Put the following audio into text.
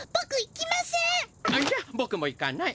じゃボクも行かない。